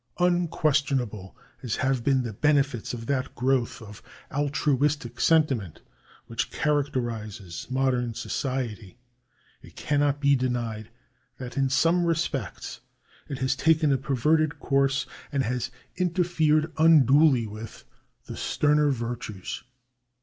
Unquestionable as have been the benefits of that growth of altruistic sentiment which characterises modern society, it cannot be denied that in some respects it has taken a per verted course and has interfered unduly with, the sterner virtues.